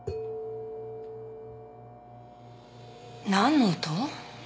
なんの音？